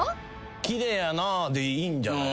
奇麗やなでいいんじゃない？